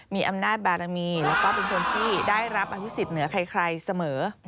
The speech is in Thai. มีอำนาจมีและเป็นคนที่ได้รับอาทิตย์เหนือใครเสมอ